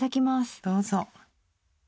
どうぞ。